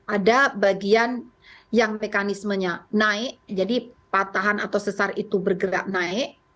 ada bagian yang mekanismenya naik jadi patahan atau sesar itu bergerak naik